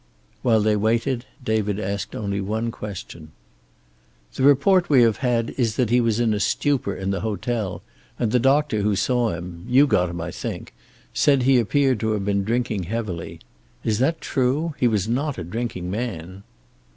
While they waited David asked only one question. "The report we have had is that he was in a stupor in the hotel, and the doctor who saw him you got him, I think said he appeared to have been drinking heavily. Is that true? He was not a drinking man."